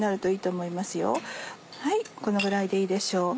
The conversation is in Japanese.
はいこのぐらいでいいでしょう。